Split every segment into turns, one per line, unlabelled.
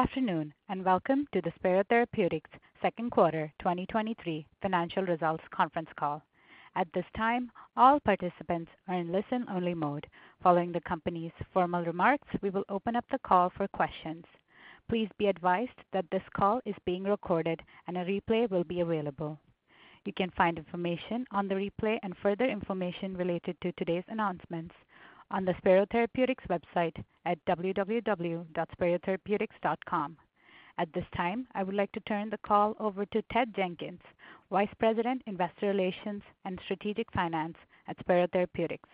Good afternoon, welcome to the Spero Therapeutics second quarter 2023 financial results conference call. At this time, all participants are in listen-only mode. Following the company's formal remarks, we will open up the call for questions. Please be advised that this call is being recorded and a replay will be available. You can find information on the replay and further information related to today's announcements on the Spero Therapeutics website at www.sperotherapeutics.com. At this time, I would like to turn the call over to Ted Jenkins, Vice President, Investor Relations and Strategic Finance at Spero Therapeutics.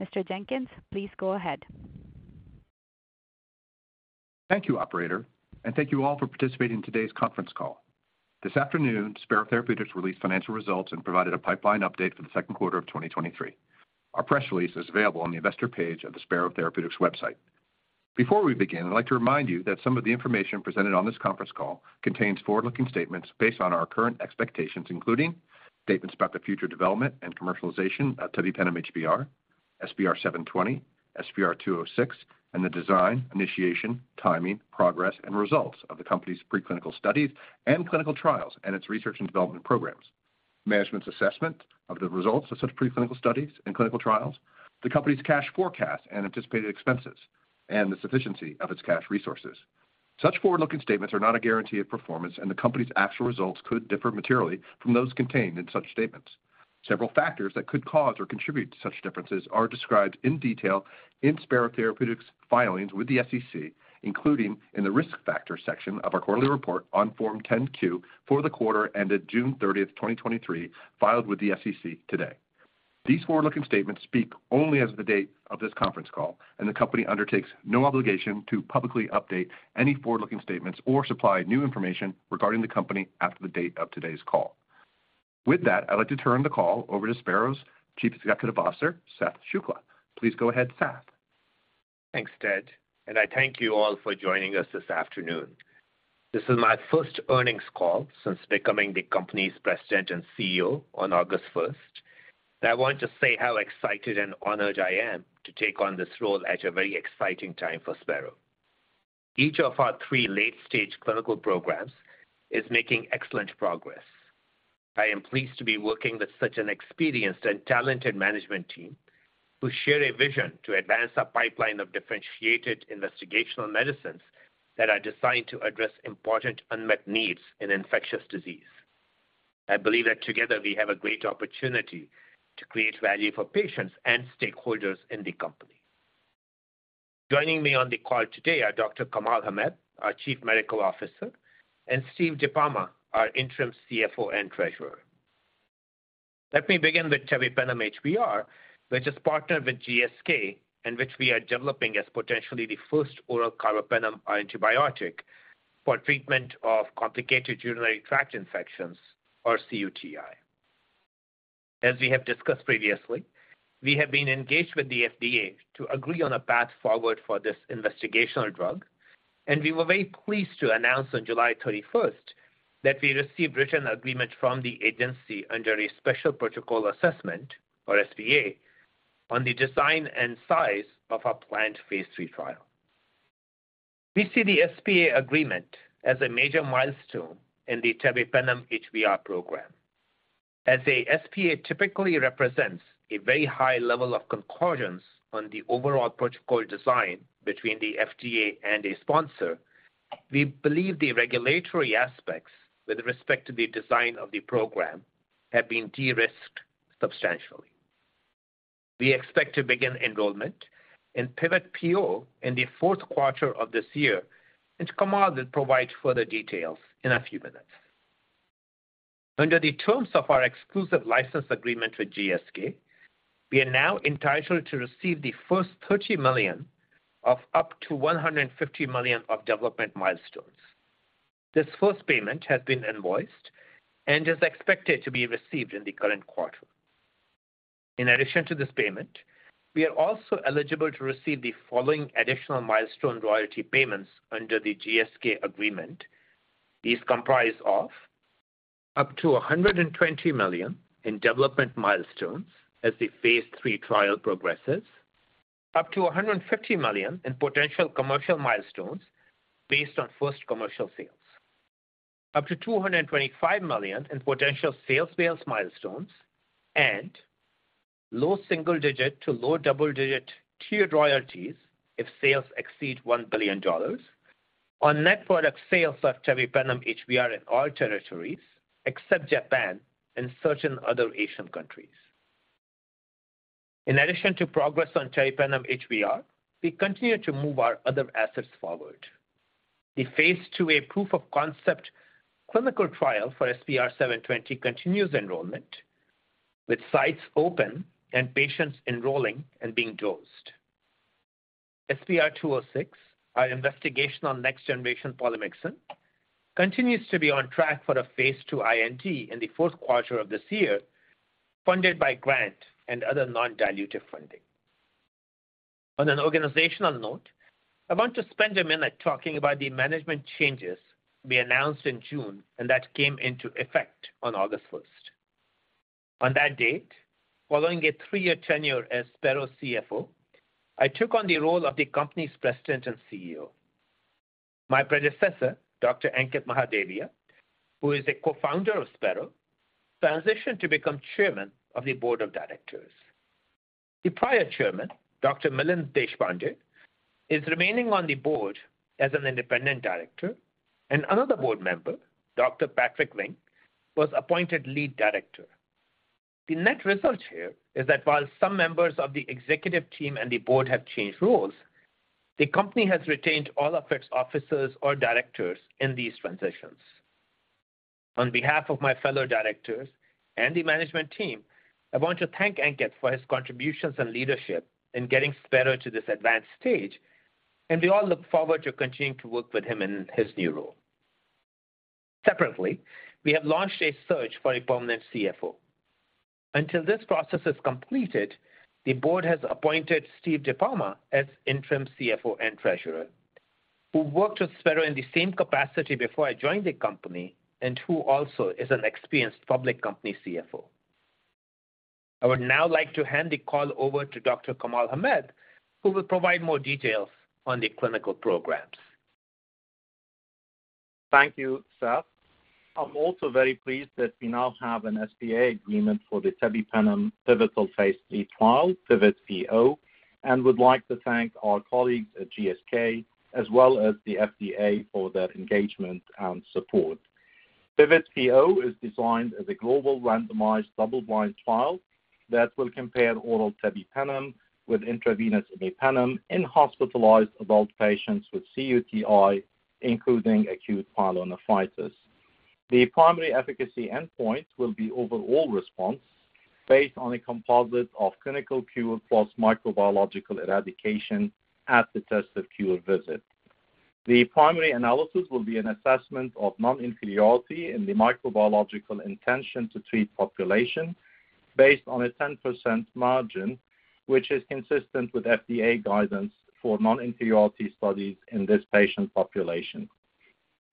Mr. Jenkins, please go ahead.
Thank you, operator, and thank you all for participating in today's conference call. This afternoon, Spero Therapeutics released financial results and provided a pipeline update for the second quarter of 2023. Our press release is available on the investor page of the Spero Therapeutics website. Before we begin, I'd like to remind you that some of the information presented on this conference call contains forward-looking statements based on our current expectations, including statements about the future development and commercialization of Tebipenem HBr, SPR-720, SPR-206, and the design, initiation, timing, progress, and results of the company's preclinical studies and clinical trials and its research and development programs. Management's assessment of the results of such preclinical studies and clinical trials, the company's cash forecast and anticipated expenses, and the sufficiency of its cash resources. Such forward-looking statements are not a guarantee of performance, and the company's actual results could differ materially from those contained in such statements. Several factors that could cause or contribute to such differences are described in detail in Spero Therapeutics' filings with the SEC, including in the Risk Factors section of our quarterly report on Form 10-Q for the quarter ended June 30, 2023, filed with the SEC today. These forward-looking statements speak only as of the date of this conference call, and the company undertakes no obligation to publicly update any forward-looking statements or supply new information regarding the company after the date of today's call. With that, I'd like to turn the call over to Spero's Chief Executive Officer, Sath Shukla. Please go ahead, Seth.
Thanks, Ted. I thank you all for joining us this afternoon. This is my first earnings call since becoming the company's President and CEO on August 1. I want to say how excited and honored I am to take on this role at a very exciting time for Spero. Each of our three late-stage clinical programs is making excellent progress. I am pleased to be working with such an experienced and talented management team who share a vision to advance our pipeline of differentiated investigational medicines that are designed to address important unmet needs in infectious disease. I believe that together we have a great opportunity to create value for patients and stakeholders in the company. Joining me on the call today are Dr. Kamal Hamed, our Chief Medical Officer, and Stephen DiPalma, our Interim CFO and Treasurer. Let me begin with Tebipenem HBr, which is partnered with GSK, and which we are developing as potentially the first oral carbapenem antibiotic for treatment of complicated urinary tract infections, or cUTI. As we have discussed previously, we have been engaged with the FDA to agree on a path forward for this investigational drug, and we were very pleased to announce on July 31st that we received written agreement from the agency under a Special Protocol Assessment, or SPA, on the design and size of our planned Phase III trial. We see the SPA agreement as a major milestone in the Tebipenem HBr program. As a SPA typically represents a very high level of concordance on the overall protocol design between the FDA and a sponsor, we believe the regulatory aspects with respect to the design of the program have been de-risked substantially. We expect to begin enrollment in PIVOT-PO in the fourth quarter of this year. Kamal will provide further details in a few minutes. Under the terms of our exclusive license agreement with GSK, we are now entitled to receive the first $30 million of up to $150 million of development milestones. This first payment has been invoiced and is expected to be received in the current quarter. In addition to this payment, we are also eligible to receive the following additional milestone royalty payments under the GSK agreement. These comprise of up to $120 million in development milestones as the Phase III trial progresses, up to $150 million in potential commercial milestones based on first commercial sales, up to $225 million in potential sales-based milestones, and low single-digit to low double-digit tiered royalties if sales exceed $1 billion on net product sales of Tebipenem HBr in all territories except Japan and certain other Asian countries. In addition to progress on Tebipenem HBr, we continue to move our other assets forward. The Phase 2a proof-of-concept clinical trial for SPR-720 continues enrollment, with sites open and patients enrolling and being dosed. SPR-206, our investigational next generation polymyxin, continues to be on track for a Phase II IND in the fourth quarter of this year, funded by grant and other non-dilutive funding. On an organizational note, I want to spend a minute talking about the management changes we announced in June and that came into effect on August first. On that date, following a three-year tenure as Spero's CFO, I took on the role of the company's President and Chief Executive Officer. My predecessor, Dr. Ankit Mahadevia, who is a co-founder of Spero, transitioned to become Chairman of the Board of Directors. The prior Chairman, Dr. Milind Deshpande, is remaining on the board as an independent director, and another board member, Dr. Patrick Vink, was appointed Lead Director. The net result here is that while some members of the executive team and the board have changed roles, the company has retained all of its officers or directors in these transitions. On behalf of my fellow directors and the management team, I want to thank Ankit for his contributions and leadership in getting Spero to this advanced stage, and we all look forward to continuing to work with him in his new role. Separately, we have launched a search for a permanent CFO. Until this process is completed, the board has appointed Stephen DiPalma as Interim CFO and Treasurer, who worked with Spero in the same capacity before I joined the company and who also is an experienced public company CFO. I would now like to hand the call over to Dr. Kamal Hamed, who will provide more details on the clinical programs.
Thank you, Seth. I'm also very pleased that we now have an SPA agreement for the Tebipenem pivotal Phase 3 trial, PIVOT-PO, and would like to thank our colleagues at GSK, as well as the FDA for their engagement and support. PIVOT-PO is designed as a global randomized, double-blind trial that will compare oral Tebipenem with intravenous imipenem in hospitalized adult patients with cUTI, including acute pyelonephritis. The primary efficacy endpoint will be overall response based on a composite of clinical cure plus microbiological eradication at the tested cure visit. The primary analysis will be an assessment of non-inferiority in the microbiological intention-to-treat population based on a 10% margin, which is consistent with FDA guidance for non-inferiority studies in this patient population.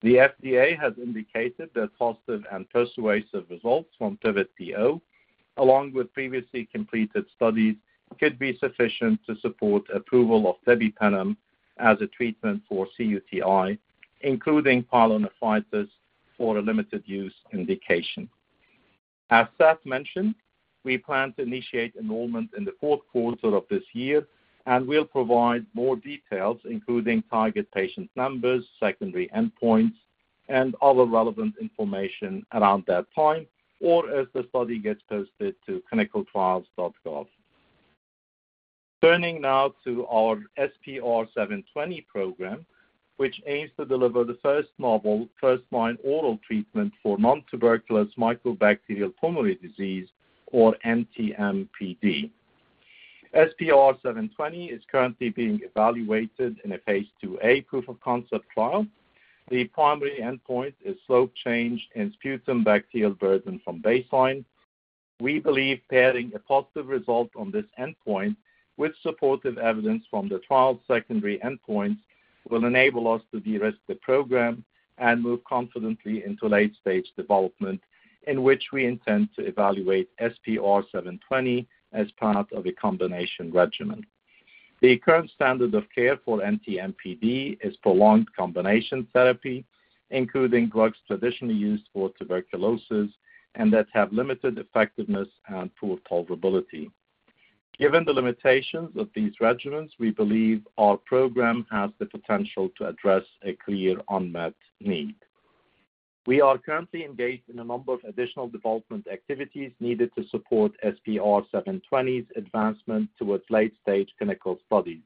The FDA has indicated that positive and persuasive results from PIVOT-PO, along with previously completed studies, could be sufficient to support approval of tebipenem as a treatment for cUTI, including pyelonephritis, for a limited use indication. As Seth mentioned, we plan to initiate enrollment in the fourth quarter of this year. We'll provide more details, including target patient numbers, secondary endpoints, and other relevant information around that time, or as the study gets posted to ClinicalTrials.gov. Turning now to our SPR-720 program, which aims to deliver the first novel, first-line oral treatment for nontuberculous mycobacterial pulmonary disease, or NTM-PD. SPR-720 is currently being evaluated in a Phase 2a proof-of-concept trial. The primary endpoint is slope change in sputum bacterial burden from baseline. We believe pairing a positive result on this endpoint with supportive evidence from the trial's secondary endpoints will enable us to de-risk the program and move confidently into late-stage development, in which we intend to evaluate SPR-720 as part of a combination regimen. The current standard of care for NTM-PD is prolonged combination therapy, including drugs traditionally used for tuberculosis and that have limited effectiveness and poor tolerability. Given the limitations of these regimens, we believe our program has the potential to address a clear unmet need. We are currently engaged in a number of additional development activities needed to support SPR-720's advancement towards late-stage clinical studies.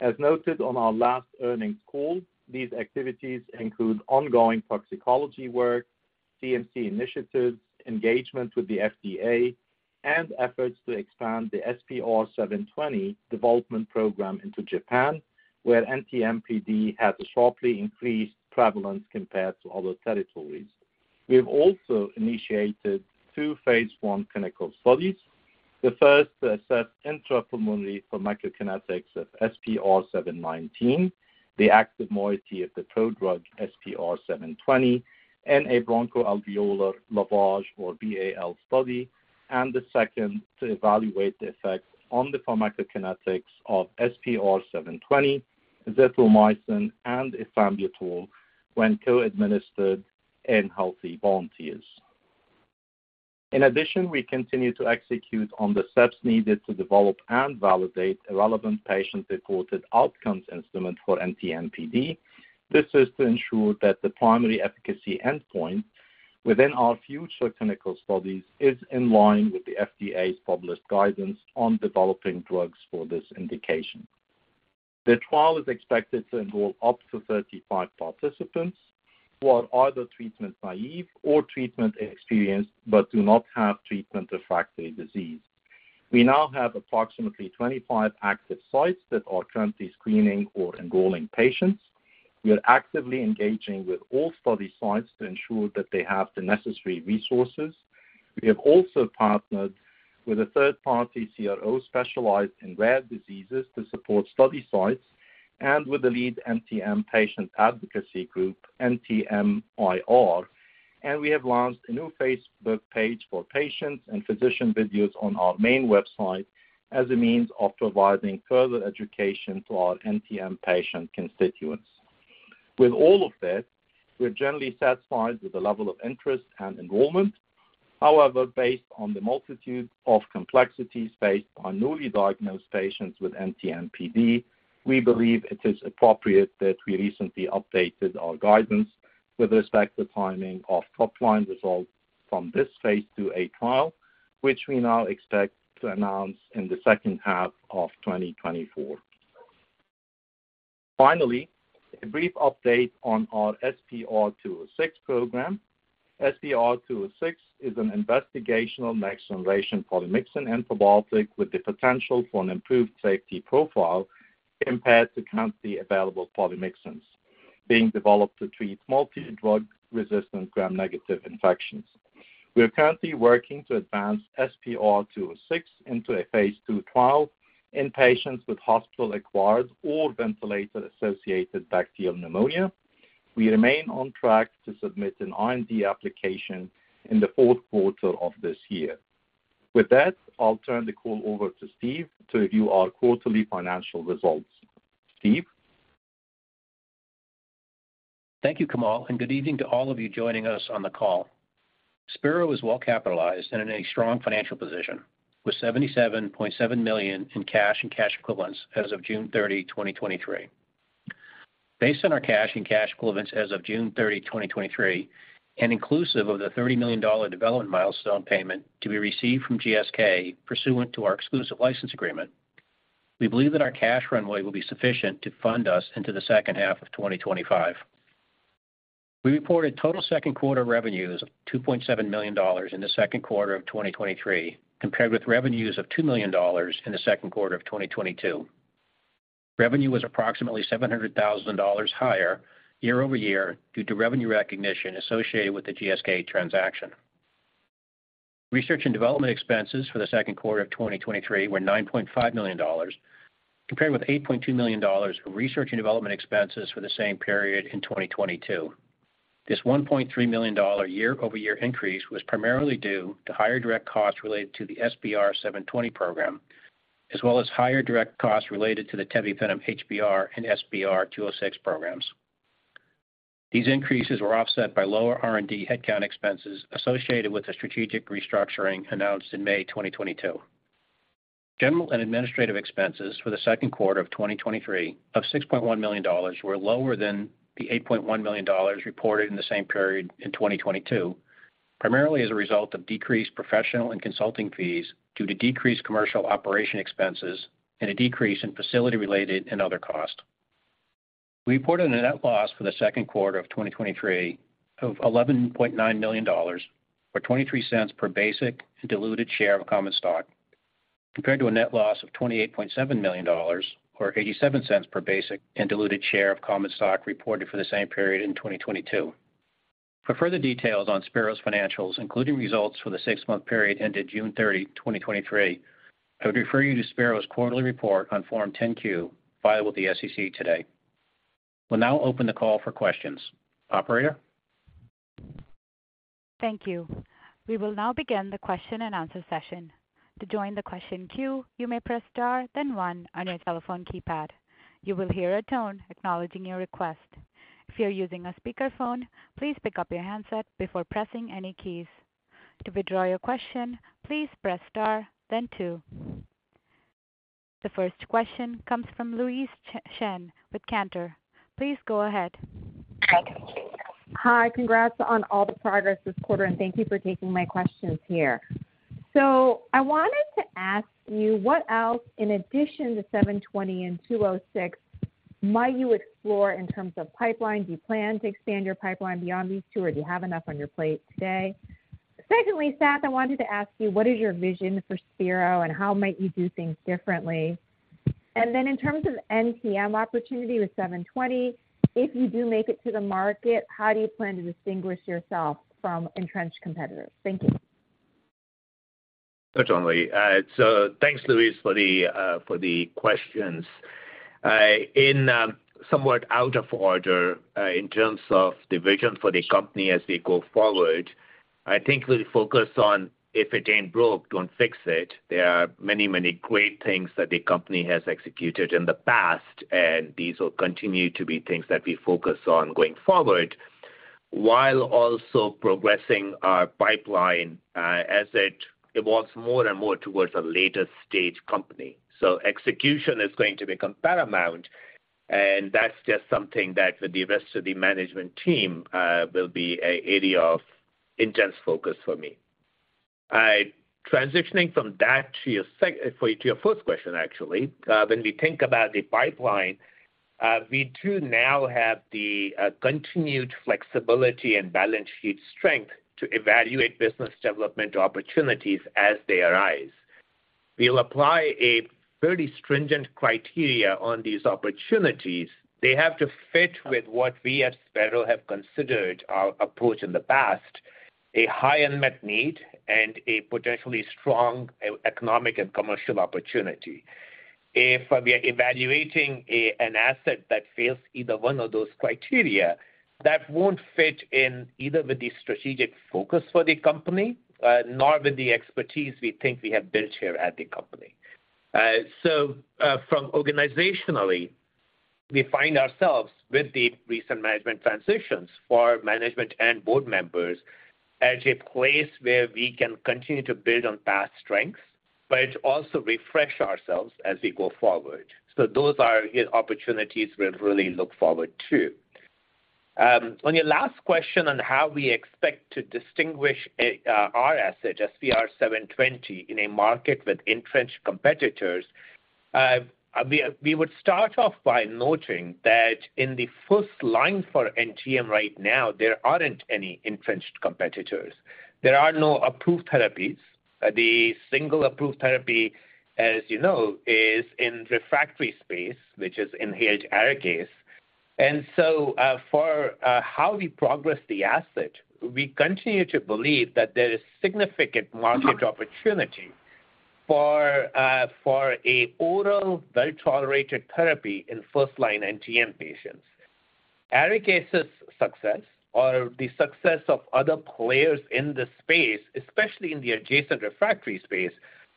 As noted on our last earnings call, these activities include ongoing toxicology work, CMC initiatives, engagement with the FDA, and efforts to expand the SPR-720 development program into Japan, where NTM-PD has a sharply increased prevalence compared to other territories. We have also initiated two phase 1 clinical studies. The first to assess intrapulmonary pharmacokinetics of SPR-719, the active moiety of the prodrug SPR-720, and a bronchoalveolar lavage or BAL study, and the second to evaluate the effect on the pharmacokinetics of SPR-720, azithromycin, and efavirenz when co-administered in healthy volunteers. In addition, we continue to execute on the steps needed to develop and validate a relevant patient-reported outcomes instrument for NTM-PD. This is to ensure that the primary efficacy endpoint within our future clinical studies is in line with the FDA's published guidance on developing drugs for this indication. The trial is expected to enroll up to 35 participants who are either treatment-naïve or treatment-experienced but do not have treatment-refractory disease. We now have approximately 25 active sites that are currently screening or enrolling patients. We are actively engaging with all study sites to ensure that they have the necessary resources. We have also partnered with a third-party CRO specialized in rare diseases to support study sites and with the lead NTM patient advocacy group, NTMir, and we have launched a new Facebook page for patients and physician videos on our main website as a means of providing further education to our NTM patient constituents. With all of that, we're generally satisfied with the level of interest and enrollment. However, based on the multitude of complexities faced by newly diagnosed patients with NTM-PD, we believe it is appropriate that we recently updated our guidance with respect to timing of top-line results from this Phase 2a trial, which we now expect to announce in the second half of 2024. Finally, a brief update on our SPR-206 program. SPR-206 is an investigational next-generation polymyxin antibiotic with the potential for an improved safety profile compared to currently available polymyxins, being developed to treat multi-drug-resistant Gram-negative infections. We are currently working to advance SPR-206 into a Phase 2 trial in patients with hospital-acquired or ventilator-associated bacterial pneumonia. We remain on track to submit an IND application in the fourth quarter of this year. With that, I'll turn the call over to Steve to review our quarterly financial results. Steve?
Thank you, Kamal, and good evening to all of you joining us on the call. Spero is well capitalized and in a strong financial position, with $77.7 million in cash and cash equivalents as of June 30, 2023. Based on our cash and cash equivalents as of June 30, 2023, and inclusive of the $30 million development milestone payment to be received from GSK pursuant to our exclusive license agreement, we believe that our cash runway will be sufficient to fund us into the second half of 2025. We reported total second quarter revenues of $2.7 million in the second quarter of 2023, compared with revenues of $2 million in the second quarter of 2022. Revenue was approximately $700,000 higher year-over-year due to revenue recognition associated with the GSK transaction. Research and development expenses for the second quarter of 2023 were $9.5 million, compared with $8.2 million in research and development expenses for the same period in 2022. This $1.3 million year-over-year increase was primarily due to higher direct costs related to the SPR-720 program, as well as higher direct costs related to the Tebipenem HBr and SPR-206 programs. These increases were offset by lower R&D headcount expenses associated with the strategic restructuring announced in May 2022. General and administrative expenses for the second quarter of 2023 of $6.1 million were lower than the $8.1 million reported in the same period in 2022, primarily as a result of decreased professional and consulting fees due to decreased commercial operation expenses and a decrease in facility-related and other costs. We reported a net loss for the second quarter of 2023 of $11.9 million, or $0.23 per basic and diluted share of common stock, compared to a net loss of $28.7 million, or $0.87 per basic and diluted share of common stock reported for the same period in 2022. For further details on Spero's financials, including results for the six-month period ended June 30, 2023, I would refer you to Spero's quarterly report on Form 10-Q, filed with the SEC today. We'll now open the call for questions. Operator?
Thank you. We will now begin the question-and-answer session. To join the question queue, you may press Star, then 1, on your telephone keypad. You will hear a tone acknowledging your request. If you are using a speakerphone, please pick up your handset before pressing any keys. To withdraw your question, please press Star then 2. The first question comes from Louise Chen with Cantor. Please go ahead.
Hi. Congrats on all the progress this quarter, and thank you for taking my questions here. I wanted to ask you, what else, in addition to SPR720 and SPR206, might you explore in terms of pipeline? Do you plan to expand your pipeline beyond these two, or do you have enough on your plate today? Secondly, Sath Shukla, I wanted to ask you, what is your vision for Spero, and how might you do things differently? In terms of NTM opportunity with SPR720, if you do make it to the market, how do you plan to distinguish yourself from entrenched competitors? Thank you.
Certainly. Thanks, Louise, for the for the questions. In somewhat out of order, in terms of the vision for the company as we go forward, I think we'll focus on if it ain't broke, don't fix it. There are many, many great things that the company has executed in the past, and these will continue to be things that we focus on going forward, while also progressing our pipeline, as it evolves more and more towards a later stage company. Execution is going to become paramount, and that's just something that with the rest of the management team, will be an area of intense focus for me. I... Transitioning from that to your sec- to your first question, actually. When we think about the pipeline, we do now have the continued flexibility and balance sheet strength to evaluate business development opportunities as they arise. We'll apply a very stringent criteria on these opportunities. They have to fit with what we at Spero have considered our approach in the past.... a high unmet need and a potentially strong economic and commercial opportunity. We are evaluating an asset that fails either one of those criteria, that won't fit in either with the strategic focus for the company, nor with the expertise we think we have built here at the company. From organizationally, we find ourselves with the recent management transitions for management and board members, at a place where we can continue to build on past strengths, but also refresh ourselves as we go forward. Those are opportunities we really look forward to. On your last question on how we expect to distinguish, our asset, SPR720, in a market with entrenched competitors, we would start off by noting that in the first line for NTM right now, there aren't any entrenched competitors. There are no approved therapies. The single approved therapy, as you know, is in refractory space, which is in the Arikayce. So, for how we progress the asset, we continue to believe that there is significant market opportunity for a oral, well-tolerated therapy in first-line NTM patients. Arikayce's success or the success of other players in the space, especially in the adjacent refractory space,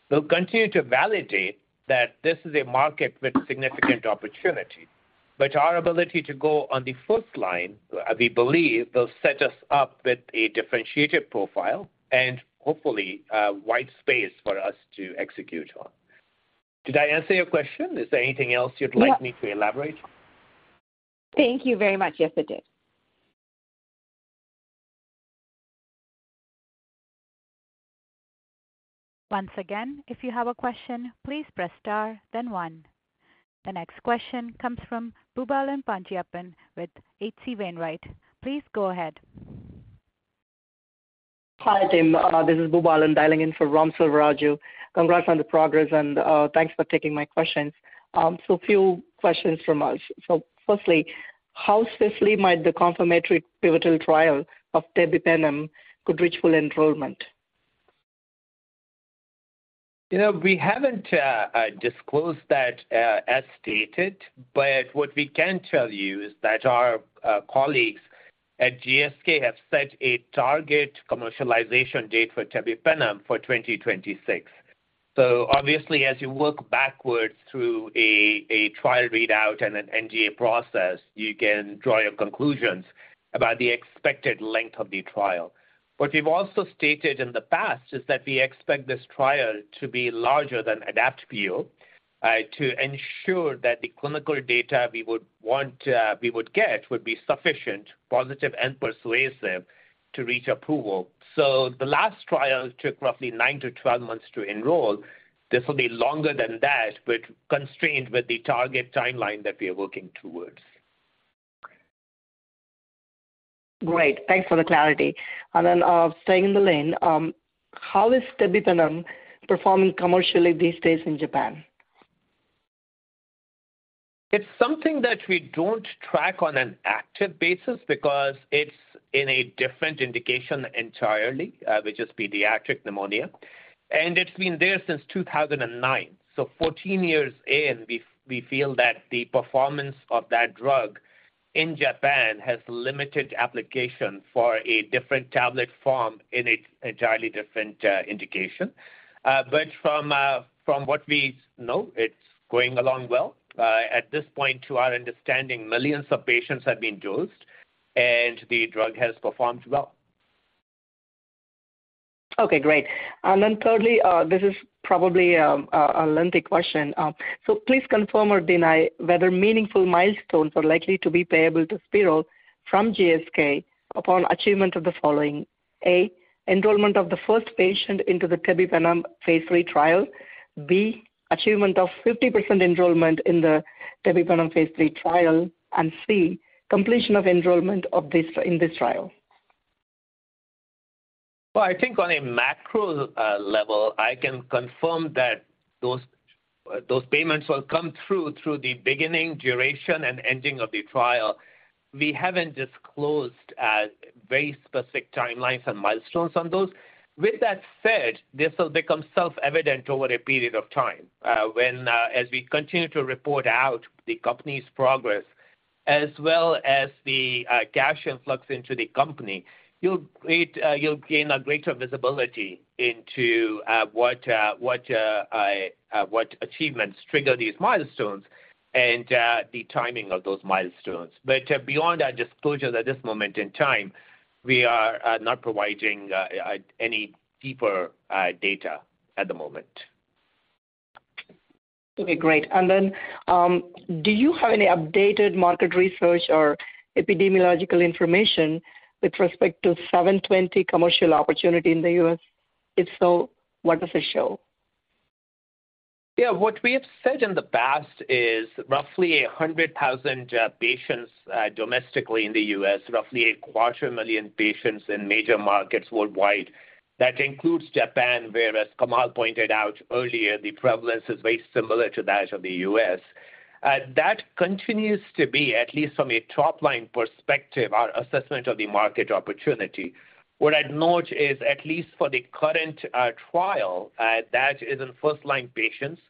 will continue to validate that this is a market with significant opportunity. Our ability to go on the first line, we believe, will set us up with a differentiated profile and hopefully, wide space for us to execute on. Did I answer your question? Is there anything else you'd like me to elaborate on?
Thank you very much. Yes, it did.
Once again, if you have a question, please press star, then one. The next question comes from Raghuram Selvaraju with H.C. Wainwright. Please go ahead.
Hi, Tim. This is Boobalan, dialing in for Ram Selvaraju. Congrats on the progress, and thanks for taking my questions. Few questions from us. Firstly, how swiftly might the confirmatory pivotal trial of Tebipenem could reach full enrollment?
You know, we haven't disclosed that as stated, but what we can tell you is that our colleagues at GSK have set a target commercialization date for Tebipenem for 2026. Obviously, as you work backwards through a trial readout and an NDA process, you can draw your conclusions about the expected length of the trial. What we've also stated in the past is that we expect this trial to be larger than ADAPT-PO to ensure that the clinical data we would want we would get, would be sufficient, positive and persuasive to reach approval. The last trial took roughly 9-12 months to enroll. This will be longer than that, but constrained with the target timeline that we are working towards.
Great. Thanks for the clarity. Then, staying in the lane, how is Tebipenem performing commercially these days in Japan?
It's something that we don't track on an active basis because it's in a different indication entirely, which is pediatric pneumonia, and it's been there since 2009. 14 years in, we, we feel that the performance of that drug in Japan has limited application for a different tablet form in an entirely different indication. From what we know, it's going along well. At this point, to our understanding, millions of patients have been dosed, and the drug has performed well.
Okay, great. Then thirdly, this is probably a lengthy question. Please confirm or deny whether meaningful milestones are likely to be payable to Spero from GSK upon achievement of the following: A, enrollment of the first patient into the Tebipenem Phase III trial, B, achievement of 50% enrollment in the Tebipenem Phase III trial, and C, completion of enrollment of this, in this trial.
Well, I think on a macro level, I can confirm that those, those payments will come through, through the beginning, duration, and ending of the trial. We haven't disclosed very specific timelines and milestones on those. With that said, this will become self-evident over a period of time, when as we continue to report out the company's progress, as well as the cash influx into the company, you'll create, you'll gain a greater visibility into what, what, what achievements trigger these milestones and the timing of those milestones. Beyond our disclosures at this moment in time, we are not providing any deeper data at the moment.
Okay, great. Do you have any updated market research or epidemiological information with respect to SPR-720 commercial opportunity in the U.S.? If so, what does it show?
What we have said in the past is roughly 100,000 patients domestically in the U.S., roughly 250,000 patients in major markets worldwide. That includes Japan, where, as Kamal pointed out earlier, the prevalence is very similar to that of the U.S. That continues to be, at least from a top-line perspective, our assessment of the market opportunity. What I'd note is, at least for the current trial, that is in first-line patients.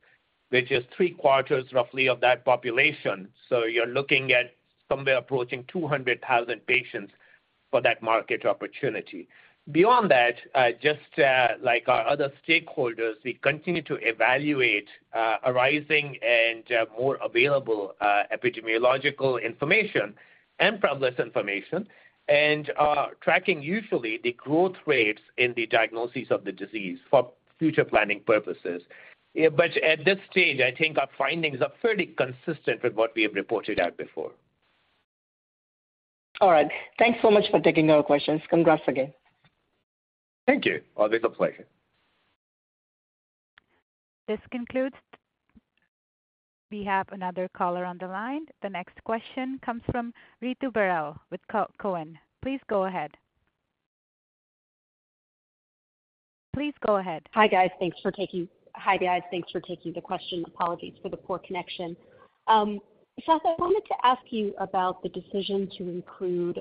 Which is three quarters roughly of that population. You're looking at somewhere approaching 200,000 patients for that market opportunity. Beyond that, just like our other stakeholders, we continue to evaluate arising and more available epidemiological information and published information, and tracking usually the growth rates in the diagnosis of the disease for future planning purposes. At this stage, I think our findings are fairly consistent with what we have reported out before.
All right. Thanks so much for taking our questions. Congrats again.
Thank you. It's a pleasure.
This concludes. We have another caller on the line. The next question comes from Ritu Baral with TD Cowen. Please go ahead. Please go ahead.
Hi, guys. Thanks for taking the question. Apologies for the poor connection. First, I wanted to ask you about the decision to include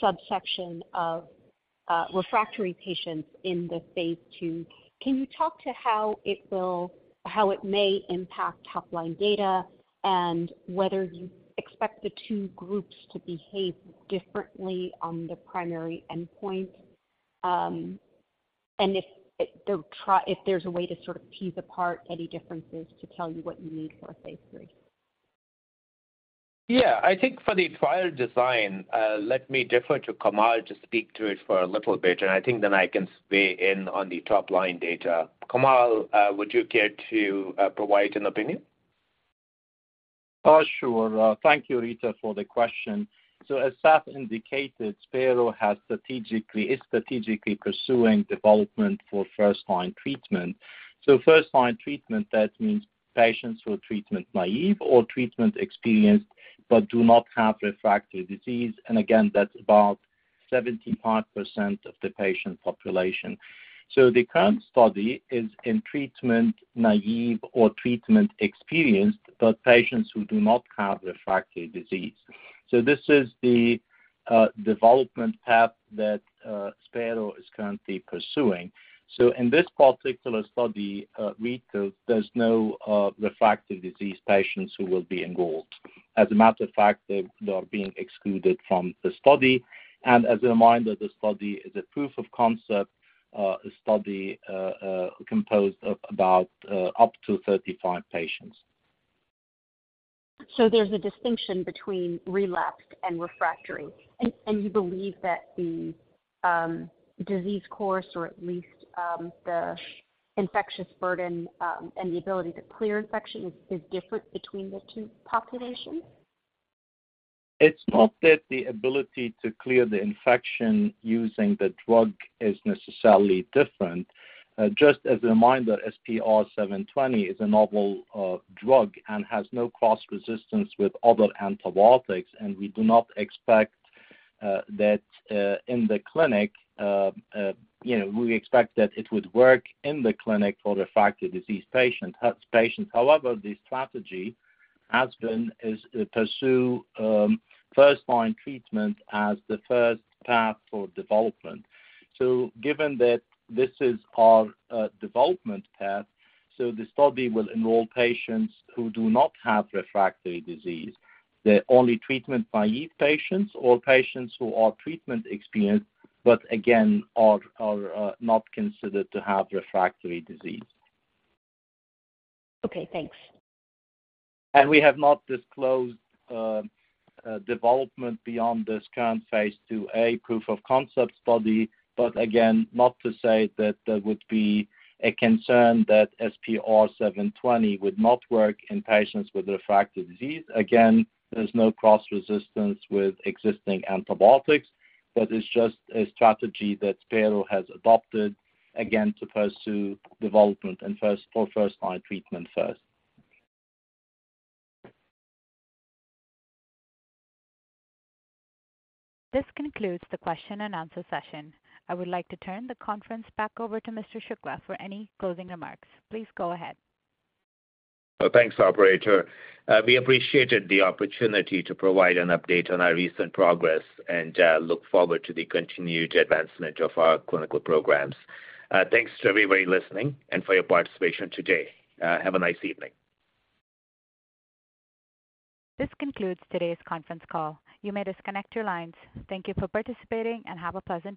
subsection of refractory patients in the Phase II. Can you talk to how it will, how it may impact top line data, and whether you expect the two groups to behave differently on the primary endpoint? If there's a way to sort of piece apart any differences to tell you what you need for a Phase III.
I think for the trial design, let me defer to Kamal to speak to it for a little bit, and I think then I can weigh in on the top-line data. Kamal, would you care to provide an opinion?
Uh, sure. Uh, thank you, Ritu, for the question. So as Sath indicated, Spero has strategically, is strategically pursuing development for first-line treatment. So first-line treatment, that means patients who are treatment naive or treatment experienced but do not have refractory disease, and again, that's about seventy-five percent of the patient population. So the current study is in treatment naive or treatment experienced, but patients who do not have refractory disease. So this is the, uh, development path that, uh, Spero is currently pursuing. So in this particular study, uh, Ritu, there's no, uh, refractory disease patients who will be enrolled. As a matter of fact, they, they are being excluded from the study. And as a reminder, the study is a proof of concept, uh, a study, uh, uh, composed of about, uh, up to thirty-five patients.
There's a distinction between relapsed and refractory. You believe that the disease course, or at least, the infectious burden, and the ability to clear infection is, is different between the two populations?
It's not that the ability to clear the infection using the drug is necessarily different. just as a reminder, SPR-720 is a novel drug and has no cross-resistance with other antibiotics, and we do not expect that in the clinic, you know, we expect that it would work in the clinic for refractory disease patient, helps patients. The strategy has been, is to pursue first-line treatment as the first path for development. Given that this is our development path, so the study will enroll patients who do not have refractory disease. They're only treatment-naive patients or patients who are treatment-experienced, but again, are, are not considered to have refractory disease.
Okay, thanks.
We have not disclosed development beyond this current Phase 2a proof-of-concept study. But again, not to say that there would be a concern that SPR-720 would not work in patients with refractory disease. Again, there's no cross-resistance with existing antibiotics, but it's just a strategy that Spero has adopted, again, to pursue development and first, for first-line treatment first.
This concludes the question and answer session. I would like to turn the conference back over to Mr. Shukla for any closing remarks. Please go ahead.
Thanks, operator. We appreciated the opportunity to provide an update on our recent progress and look forward to the continued advancement of our clinical programs. Thanks to everybody listening and for your participation today. Have a nice evening.
This concludes today's conference call. You may disconnect your lines. Thank you for participating and have a pleasant day.